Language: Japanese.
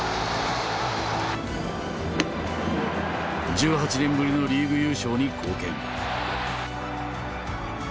１８年ぶりのリーグ優勝に貢献。